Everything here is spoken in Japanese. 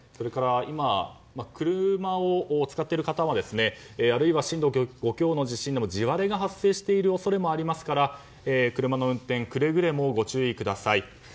今、車を使っている方はあるいは震度５強の地震で地割れが発生している恐れもありますから車の運転くれぐれもご注意ください。